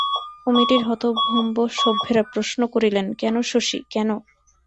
কমিটির হতভম্ব সভ্যেরা প্রশ্ন করিলেন, কেন শশী, কেন?